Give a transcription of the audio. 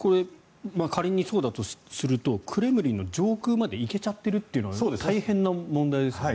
仮にそうだとするとクレムリンの上空まで行けちゃっているというのが大変な問題ですよね。